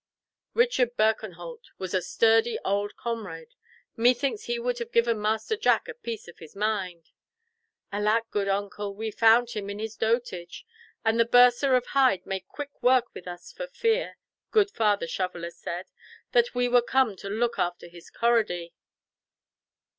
"Richard Birkenholt was a sturdy old comrade! Methinks he would give Master Jack a piece of his mind." "Alack, good uncle, we found him in his dotage, and the bursar of Hyde made quick work with us, for fear, good Father Shoveller said, that we were come to look after his corrody."